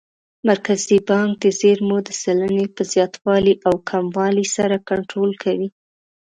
مرکزي بانک د زېرمو د سلنې په زیاتوالي او کموالي سره کنټرول کوي.